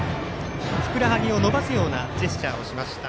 ふくらはぎを伸ばすようなジェスチャーをしました。